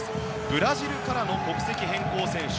ブラジルからの国籍変更選手。